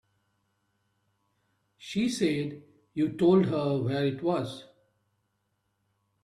She said you told her where it was.